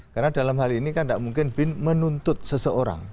karena dalam hal ini kan tidak mungkin bin menuntut seseorang